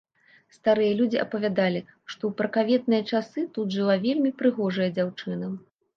Старыя людзі апавядалі, што ў пракаветныя часы тут жыла вельмі прыгожая дзяўчына.